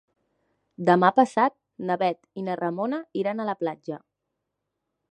Demà passat na Bet i na Ramona iran a la platja.